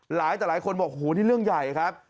หลายแต่หลายคนบอกโอ้โหนี่เรื่องใหญ่ครับ